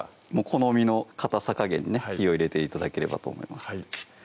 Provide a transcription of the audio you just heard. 好みのかたさ加減に火を入れて頂ければと思います